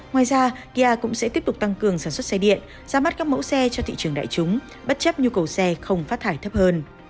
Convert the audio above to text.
ngoài ra kia cũng sẽ tiếp tục tăng cường sản xuất xe điện ra mắt các mẫu xe cho thị trường đại chúng bất chấp nhu cầu xe không phát thải thấp hơn